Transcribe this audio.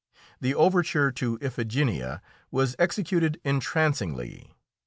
The overture to "Iphigenia" was executed entrancingly.